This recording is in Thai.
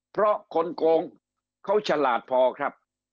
เพราะคนโกงเขาฉลาดพอครับ